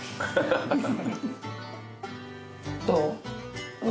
どう？